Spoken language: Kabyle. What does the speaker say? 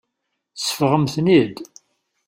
Seffɣemt-ten-id.